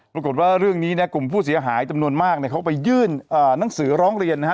รูปกฎว่าเรื่องนี้กลุ่มผู้เสียหายจำนวนมากเขาไปยื่นนังสือร้องเรียนนะฮะ